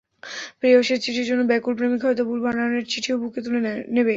প্রেয়সীর চিঠির জন্য ব্যাকুল প্রেমিক হয়তো ভুল বানানের চিঠিও বুকে তুলে নেবে।